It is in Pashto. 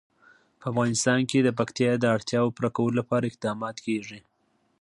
په افغانستان کې د پکتیا د اړتیاوو پوره کولو لپاره اقدامات کېږي.